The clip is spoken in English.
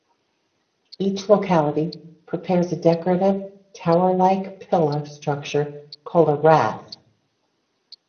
Each locality prepares a decorative tower-like pillar structure called a 'rath'.